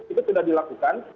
itu sudah dilakukan